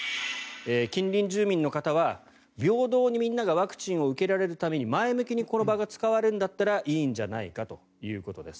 近隣住民の方は平等にみんながワクチンを受けられるために前向きにこの場が使われるんだったらいいんじゃないかということです。